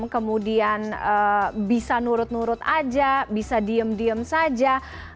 kemudian bisa nurut nurut aja bisa diem diem saja